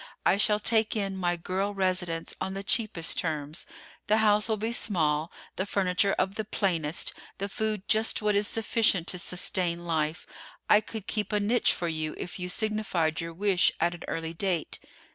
I shall take in my girl residents on the cheapest terms. The house will be small, the furniture of the plainest, the food just what is sufficient to sustain life. I could keep a niche for you if you signified your wish at an early date."